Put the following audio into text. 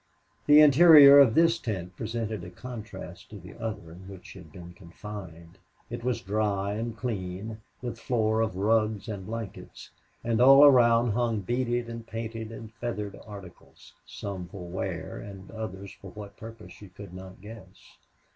The interior of this tent presented a contrast to the other in which she had been confined. It was dry and clean, with floor of rugs and blankets; and all around hung beaded and painted and feathered articles, some for wear, and others for what purpose she could not guess.